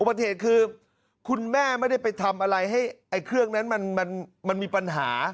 ปฏิเหตุคือคุณแม่ไม่ได้ไปทำอะไรให้ไอ้เครื่องนั้นมันมีปัญหา